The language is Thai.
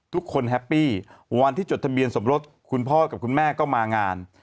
แฮปปี้วันที่จดทะเบียนสมรสคุณพ่อกับคุณแม่ก็มางาน